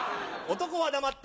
男は黙って。